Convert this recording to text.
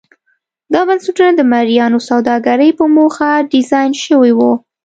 دا بنسټونه د مریانو سوداګرۍ په موخه ډیزاین شوي وو.